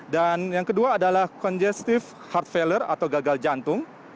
dan yang kedua adalah congestive heart failure atau gagal jantung